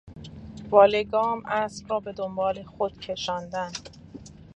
با لگام اسب را بهدنبال خود کشاندن